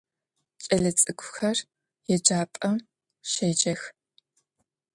Ç'elets'ık'uxer yêcap'em şêcex.